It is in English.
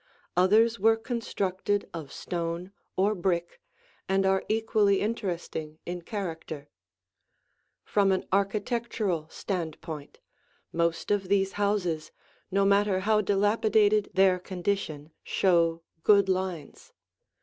Others were constructed of stone or brick and are equally interesting in character. From an architectural standpoint, most of these houses, no matter how dilapidated their condition, show good lines.